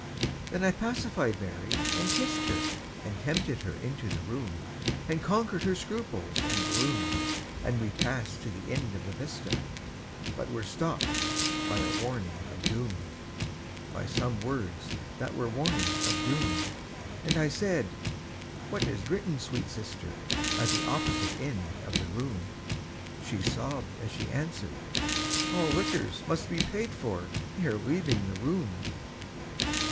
Then I pacified Mary and kissed her, And tempted her into the room, And conquered her scruples and gloom; And we passed to the end of the vista, But were stopped by the warning of doom, By some words that were warning of doom. And I said, "What is written, sweet sister, At the opposite end of the room?" She sobbed, as she answered, "All liquors Must be paid for ere leaving the room."